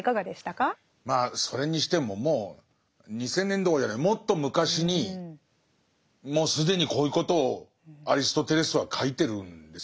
まあそれにしてももう２，０００年どころじゃないもっと昔にもう既にこういうことをアリストテレスは書いてるんですね。